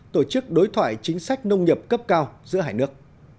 tổ chức đối thoại chính sách nông nghiệp cấp cao giữa hai nước